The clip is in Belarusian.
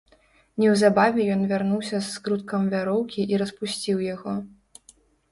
Неўзабаве ён вярнуўся з скруткам вяроўкі і распусціў яго.